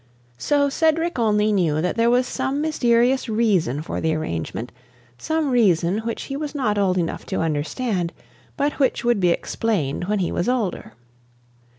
So Cedric only knew that there was some mysterious reason for the arrangement, some reason which he was not old enough to understand, but which would be explained when he was older.